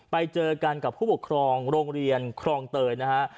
ไปเจอกันกับผู้ปกครองโรงเรียนครองเตยนะฮะ